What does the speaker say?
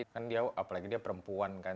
kan dia apalagi dia perempuan kan